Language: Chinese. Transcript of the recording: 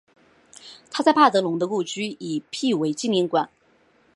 他在帕德龙的故居已辟为纪念馆。